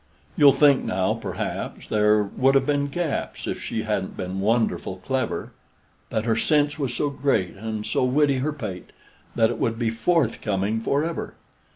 You'll think now, perhaps, there would have been gaps, If she hadn't been wonderful clever; That her sense was so great, and so witty her pate That it would be forthcoming forever.